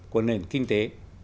của nền kinh tế